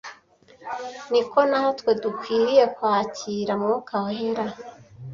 niko natwe dukwiriye kwakira Mwuka Wera